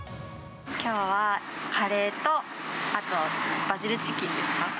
きょうはカレーと、あとバジルチキンですか。